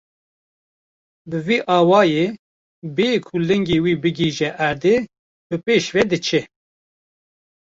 Bi vî awayî bêyî ku lingê wî bighêje erdê, bi pêş ve diçe.